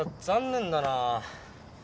残念だな。